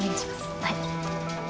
はい。